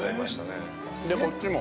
で、こっちも。